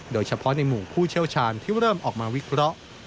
โดยเฉพาะในหมู่ผู้เชี่ยวชาญที่เริ่มออกมาวิเคราะห์